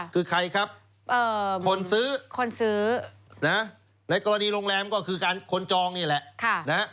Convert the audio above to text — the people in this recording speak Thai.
คือใครครับคนซื้อคนซื้อนะในกรณีโรงแรมก็คือการคนจองนี่แหละ